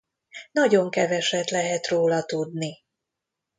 Nagyon keveset lehet róla tudni.